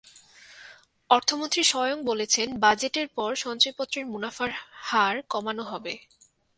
অর্থমন্ত্রী স্বয়ং বলেছেন, বাজেটের পর সঞ্চয়পত্রের মুনাফার হার কমানো হবে।